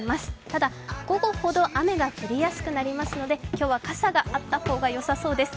ただ、午後ほど雨が降りやすくなるので今日は傘があった方がよさそうです。